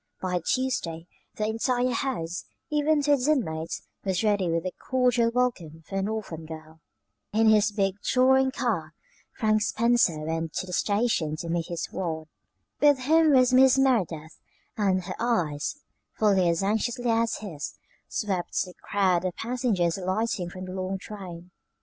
By Tuesday the entire house, even to its inmates, was ready with a cordial welcome for the orphan girl. In his big touring car Frank Spencer went to the station to meet his ward. With him was Mrs. Merideth, and her eyes, fully as anxiously as his, swept the crowd of passengers alighting from the long train.